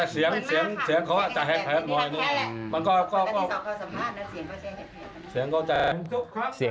เสียงเขาอาจจะแฮะแฮด